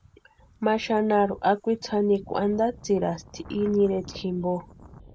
Ma xanharu akwitsi janikwa antatsirasti ini ireta jimpo.